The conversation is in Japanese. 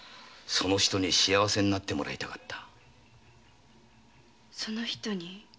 その女に幸せになってもらいたかった？